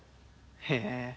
へえ。